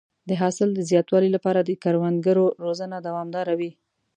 د حاصل د زیاتوالي لپاره د کروندګرو روزنه دوامداره وي.